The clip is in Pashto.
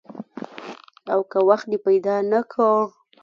او که وخت دې پیدا نه کړ؟